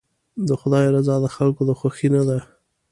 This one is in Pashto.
د خدای رضا د خلکو د خوښۍ نه ده.